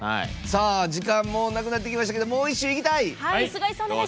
時間なくなってきましたがもう一周、いきたい。